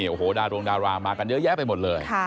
โอ้โหดารงดารามากันเยอะแยะไปหมดเลย